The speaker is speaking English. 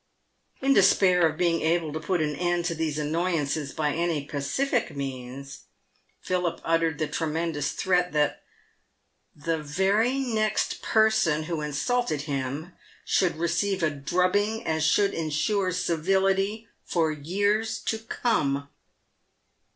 In despair of being able to put an end to these annoyances by any pacific means, Philip uttered the tremendous threat that " The very next person who insulted him should receive such a drubbing as should ensure civility for years to come."